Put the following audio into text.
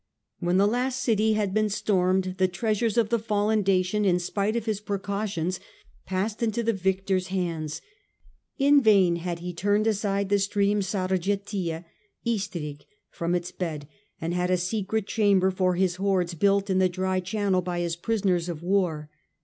When the last city had been stormed, the treasures of the fallen Dacian, in spite of his precautions, passed into the victor's hands. In vain had he turned aside the stream Sargetia (Istrig) from its bed, and had a secret chamber for his hoards built in the dry channel by his ptisoners of war.